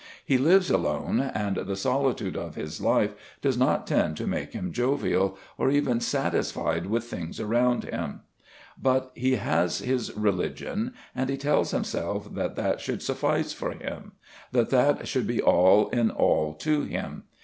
He lives alone, and the solitude of his life does not tend to make him jovial, or even satisfied with things around him. But he has his religion, and he tells himself that that should suffice for him; that that should be all in all to him.